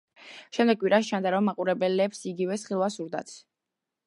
შემდეგ კვირას ჩანდა, რომ მაყურებლებს იგივეს ხილვა სურდათ.